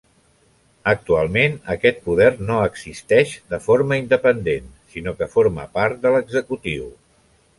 Actualment, aquest poder no existeix de forma independent, sinó que forma part de l'executiu.